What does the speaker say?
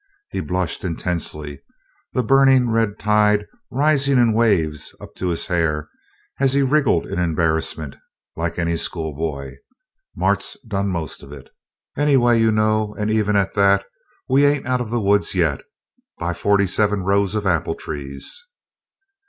He blushed intensely, the burning red tide rising in waves up to his hair as he wriggled in embarrassment, like any schoolboy. "Mart's done most of it, anyway, you know; and even at that, we ain't out of the woods yet, by forty seven rows of apple trees."